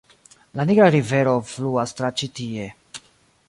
La Nigra rivero fluas tra ĉi tie.